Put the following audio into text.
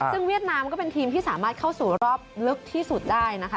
ซึ่งเวียดนามก็เป็นทีมที่สามารถเข้าสู่รอบลึกที่สุดได้นะคะ